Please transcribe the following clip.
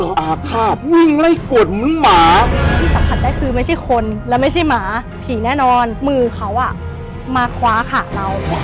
ว้ายมีอีกเหรอ